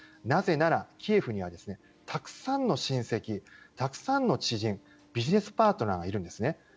なぜならキエフにはたくさんの親戚たくさんの知人ビジネスパートナーがいるんです。